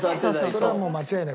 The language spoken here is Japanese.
それはもう間違いない。